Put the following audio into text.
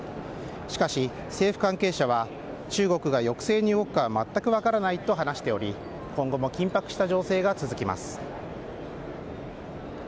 しかし、政府関係者は中国が抑制に動くかはまったく分からないと話しており今後も緊迫した情勢が続きます。